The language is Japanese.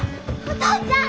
お父ちゃん！